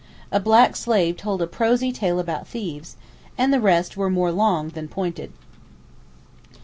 A black slave told a prosy tale about thieves—and the rest were more long than pointed.